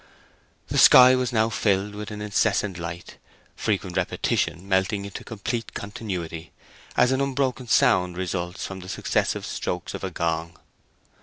The sky was now filled with an incessant light, frequent repetition melting into complete continuity, as an unbroken sound results from the successive strokes on a gong.